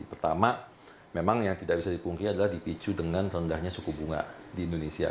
pertama memang yang tidak bisa dipungkiri adalah dipicu dengan rendahnya suku bunga di indonesia